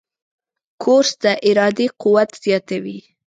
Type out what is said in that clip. کورس د ارادې قوت زیاتوي.